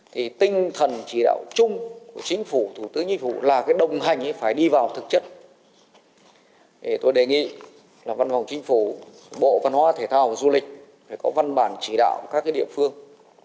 văn phòng chính phủ bộ văn hóa thể thao và du lịch phải có văn bản chỉ đạo của các địa phương